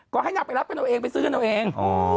ก็ให้นักไปรับให้เราเองไปซื้อให้เราเอง